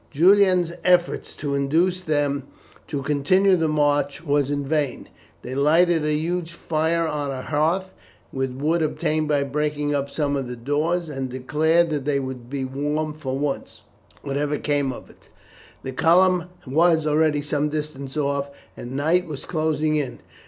Julian's efforts to induce them to continue the march were in vain. They lighted a huge fire on a hearth with wood obtained by breaking up some of the doors, and declared that they would be warm for once, whatever came of it. The column was already some distance off, and night was closing in.